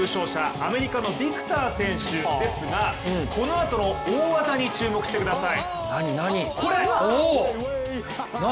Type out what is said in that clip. アメリカのビクター選手ですがこのあとの大技に注目してください。